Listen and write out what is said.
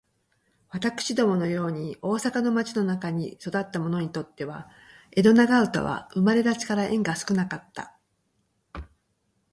私どもの様に大阪の町の中に育つた者にとつては、江戸長唄は生れだちから縁が少かつた。